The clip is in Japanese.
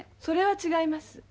それは違います。